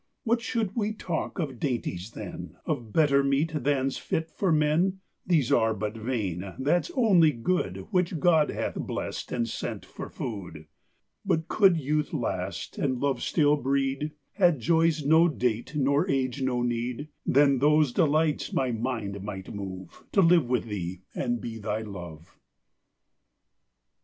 What should we talk of dainties, then, Of better meat than's fit for men? These are but vain: that's only good Which God hath bless'd and sent for food. But could youth last, and love still breed; Had joys no date, nor age no need; Then those delights my mind might move, To live with thee, and be thy love.